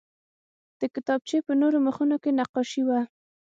د کتابچې په نورو مخونو کې نقاشي وه